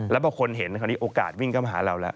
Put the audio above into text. แล้วพอคนเห็นคราวนี้โอกาสวิ่งเข้ามาหาเราแล้ว